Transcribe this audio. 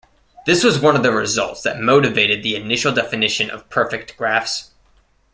This was one of the results that motivated the initial definition of perfect graphs.